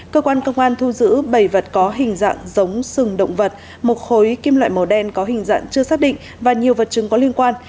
cơ quan công an thu giữ bảy vật có hình dạng giống sừng động vật một khối kim loại màu đen có hình dạng chưa xác định và nhiều vật chứng có liên quan